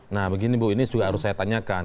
nah begini bu ini juga harus saya tanyakan